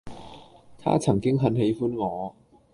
她曾經很喜歡我